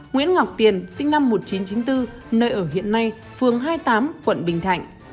nguyễn ngọc tiền sinh năm một nghìn chín trăm chín mươi bốn nơi ở hiện nay phường hai mươi tám quận bình thạnh